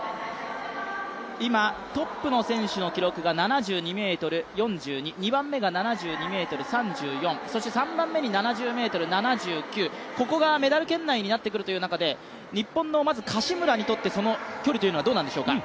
今、トップの選手の記録が７２ｍ４２２番目が７２ｍ３４、３番目に７０ｍ７９、ここがメダル圏内になってくるという中で、日本の柏村にとってはその距離というのはどうなんでしょうか。